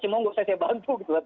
cuma nggak usah saya bantu gitu